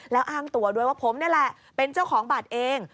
แล้วอ้างตัวด้วยว่าผมนี่แหละเป็นเจ้าของบัตรเอง